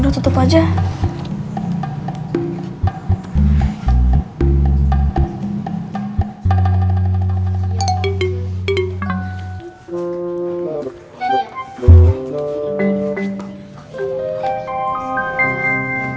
tidak ada apa apaan yang ada di dalam